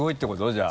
じゃあ。